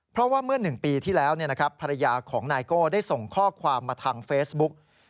เพราะว่าเมื่อ๑ปีที่แล้วภรรยาของนายโก้ได้ส่งข้อความมาทางเฟซบุ๊ก